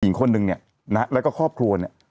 หญิงคนนึงเนี่ยนะแล้วก็ครอบครัวเนี่ย